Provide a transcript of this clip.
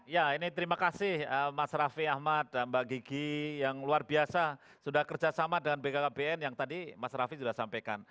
ya ini terima kasih mas raffi ahmad mbak gigi yang luar biasa sudah kerjasama dengan bkkbn yang tadi mas raffi sudah sampaikan